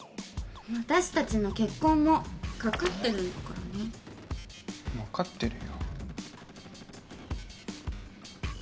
私達の結婚もかかってるんだからね分かってるよ